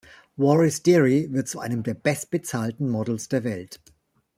Waris Dirie wird zu einem der bestbezahlten Models der Welt.